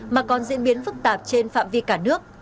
mà còn diễn biến phức tạp trên phạm vi cả nước